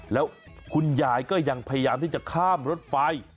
แล้วคุณยายก็ยังพยายามที่จะข้ามรถไฟ